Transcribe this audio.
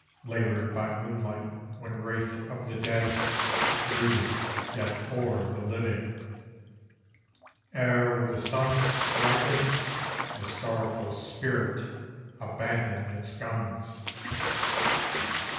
Laboured by moonlight when wraith of the dead brooded yet o'er the living, Ere with the sun's Rising the sorrowful spirit abandoned its guns.